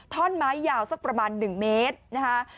ท่อนไม้ยาวสักประมาณ๑เมตรนะคะ